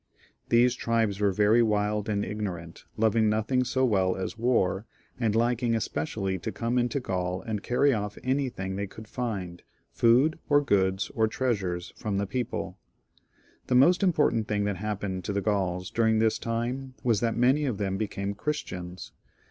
These tribes were, as I said before, very wild and ignorant, loving nothing so well as war, and apt sometimes to come into Gaul and carry off anything they could find, food or goods or treasures, from the people. The most important thing that happened to the Gauls dur ing this time was that many of them became Christians.